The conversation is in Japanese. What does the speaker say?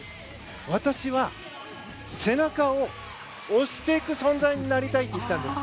私は背中を押していく存在になりたいって言ったんです。